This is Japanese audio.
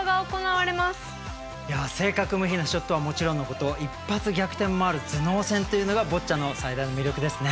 正確無比なショットはもちろんのこと一発逆転もある頭脳戦というのがボッチャの最大の魅力ですね。